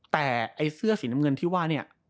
แต่ไอ้เสื้อสีน้ำเงินที่ว่าเนี่ย